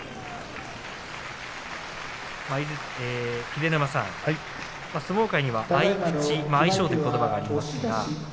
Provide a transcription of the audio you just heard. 秀ノ山さん、相撲界には合い口相性ということばがあります。